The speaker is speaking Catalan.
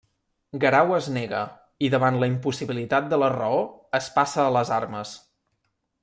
Guerau es nega, i davant la impossibilitat de la raó, es passa a les armes.